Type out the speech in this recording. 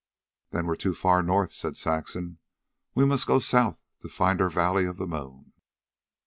"Then we're too far north," said Saxon. "We must go south to find our valley of the moon."